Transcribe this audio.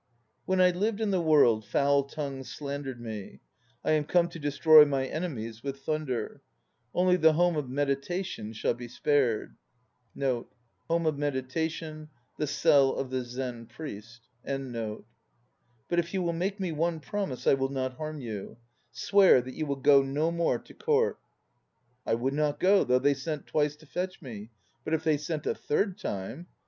"When I lived in the world foul tongues slander d 1 me. I am come to destroy my enemies with thunder. Only the Home of Meditation 2 shall be spared. But if you will make me one promise, I will not harm you. Swear that you will go no more to Court!" "I would not go, though they sent twice to fetch me. But if they sent a third time